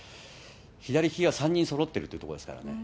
左利きが３人そろってるっていうところですからね。